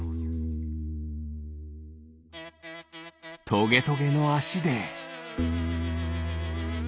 トゲトゲのあしで。